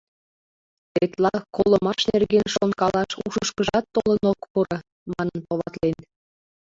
Тетла колымаш нерген шонкалаш ушышкыжат толын ок пуро», — манын товатлен.